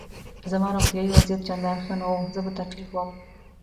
زما روغتیایي وضعیت چندان ښه نه و، زه په تکلیف وم.